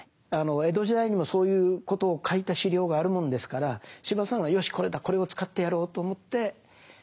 江戸時代にもそういうことを書いた資料があるもんですから司馬さんはよしこれだこれを使ってやろうと思ってお書きになった。